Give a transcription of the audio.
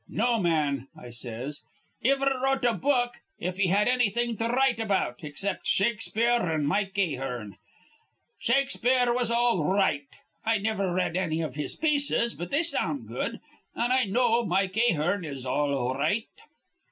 No man,' I says, 'iver wrote a book if he had annything to write about, except Shakespeare an' Mike Ahearn. Shakespeare was all r right. I niver read anny of his pieces, but they sound good; an' I know Mike Ahearn is all r right.'"